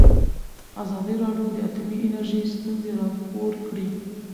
ازادي راډیو د اټومي انرژي ستونزې راپور کړي.